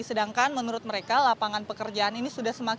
sedangkan menurut mereka lapangan pekerjaan ini sudah semakin